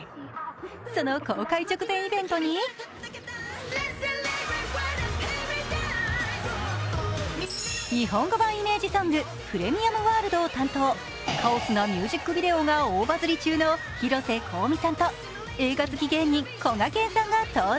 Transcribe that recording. その公開直前イベントに日本語版イメージソング「プレミアムワールド」を担当、カオスなミュージックビデオが大バズり中の広瀬香美さんと映画好き芸人・こがけんさんが登場。